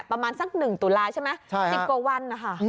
ประมาณสักหนึ่งตุลายใช่ไหมจิตโกวัลด์อ่ะค่ะ